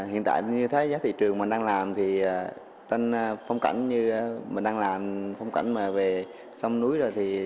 hiện tại như thế giá thị trường mình đang làm thì trên phong cảnh như mình đang làm phong cảnh mà về sông núi rồi